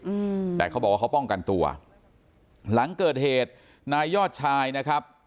อืมแต่เขาบอกว่าเขาป้องกันตัวหลังเกิดเหตุนายยอดชายนะครับ